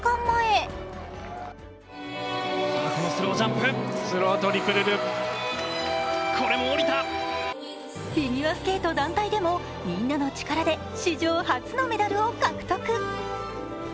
前フィギュアスケート団体でもみんなの力で史上初のメダルを獲得。